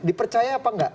dipercaya apa enggak